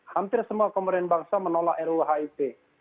hampir semua komponen bangsa menolak ruhip